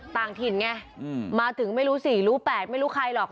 ต่างถิ่นไงมาถึงไม่รู้๔รู้๘ไม่รู้ใครหรอก